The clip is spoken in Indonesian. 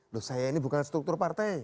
loh saya ini bukan struktur partai